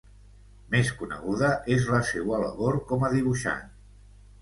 Més coneguda és la seua labor com a dibuixant.